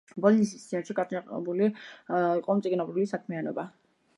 ბოლნისის სიონში გაჩაღებული იყო მწიგნობრული საქმიანობა.